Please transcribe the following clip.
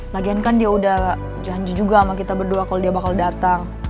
lagian kan dia udah janji juga sama kita berdua kalau dia bakal datang